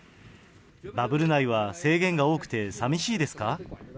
バブル内は制限が多くて、さみしいですか？